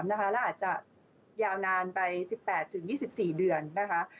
แล้วอาจจะยาวนานไป๑๘๒๔เดือนนะคะ